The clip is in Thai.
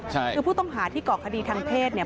คือผู้ต้องหาที่เกาะคดีทางเพศเนี่ย